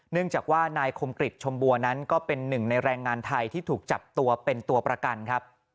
เนื่องจากว่านายคมกริจชมบัวนั้นก็เป็นหนึ่งในแรงงานไทยที่ถูกจับตัวเป็นตัวประกันครับ